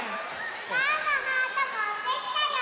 バウもハートもってきたよ！